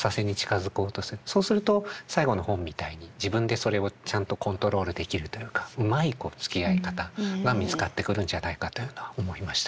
そうすると最後の本みたいに自分でそれをちゃんとコントロールできるというかうまいつきあい方が見つかってくるんじゃないかというのは思いましたね。